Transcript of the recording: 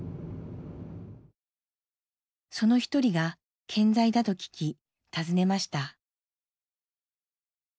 その一人が健在だと聞き訪ねました。